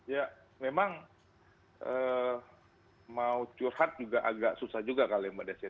ya memang mau curhat juga agak susah juga kalau yang berdasar